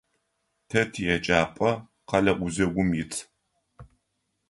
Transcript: Тэ тиеджапӀэ къэлэ гузэгум ит.